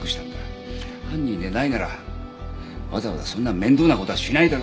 犯人でないならわざわざそんな面倒な事はしないだろ？